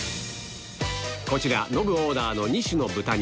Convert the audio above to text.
こちらノブオーダー